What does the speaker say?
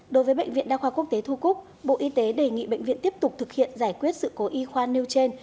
đối với bệnh viện đa khoa quốc tế thu cúc bộ y tế đề nghị bệnh viện tiếp tục thực hiện giải quyết sự cố y khoa nêu trên